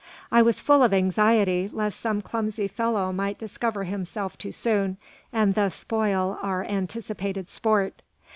I was full of anxiety lest some clumsy fellow might discover himself too soon, and thus spoil our anticipated sport.